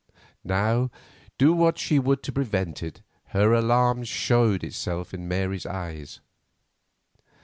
Now, do what she would to prevent it, her alarm showed itself in Mary's eyes.